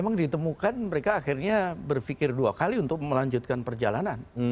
memang ditemukan mereka akhirnya berpikir dua kali untuk melanjutkan perjalanan